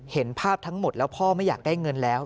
เห็นภาพทั้งหมดแล้วพ่อไม่อยากได้เงินแล้ว